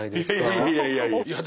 いやいやいやいや。